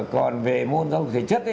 còn về môn giáo dục thể chất